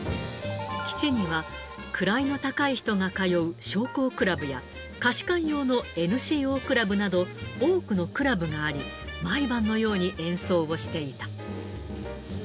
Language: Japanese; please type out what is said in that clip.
基地には、位の高い人が通う将校クラブや、下士官用のＮＣＯクラブなど、多くのクラブがあり、毎晩のように演奏をしていた。